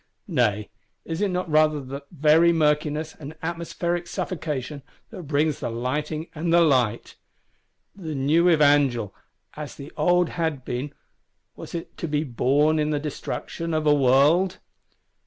Nay is it not rather the very murkiness, and atmospheric suffocation, that brings the lightning and the light? The new Evangel, as the old had been, was it to be born in the Destruction of a World?